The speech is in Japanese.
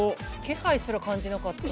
気配すら感じなかった。